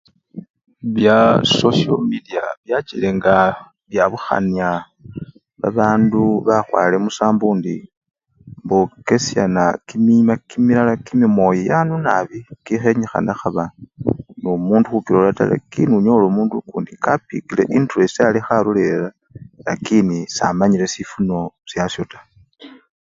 Bya sosyo mediya bachile nga byawukhanya babandu bakhwale musambo indi, bokesyana kimima kimilala kimimoyanu nabii kikhenyikhana khaba nomundu khukilola taa lakini onyola omundu okundi kapikile entresiti alikhalolelela lakini samanya sifuno syasyo taa.